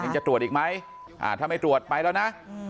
จะตรวจอีกไหมถ้าไม่ตรวจไปแล้วนะ